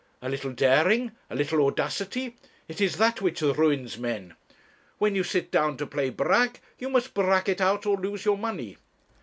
A little daring, a little audacity it is that which ruins men. When you sit down to play brag, you must brag it out, or lose your money.'